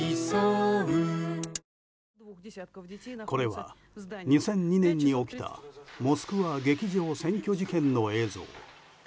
これは２００２年に起きたモスクワ劇場占拠事件の映像。